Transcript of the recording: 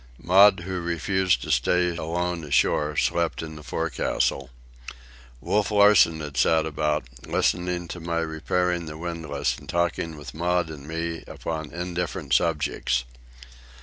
Maud, who refused to stay alone ashore, slept in the forecastle. Wolf Larsen had sat about, listening to my repairing the windlass and talking with Maud and me upon indifferent subjects.